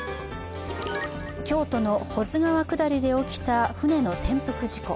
京都の保津川下りで起きた舟の転覆事故。